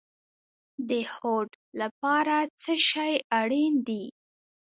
د هوډ لپاره څه شی اړین دی؟